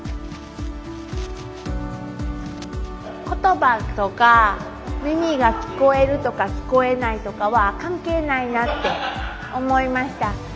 言葉とか耳が聞こえるとか聞こえないとかは関係ないなって思いました。